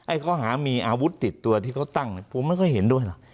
ไอ้เขาหามีอาวุธติดตัวที่เขาตั้งผมไม่ค่อยเห็นด้วยหรอ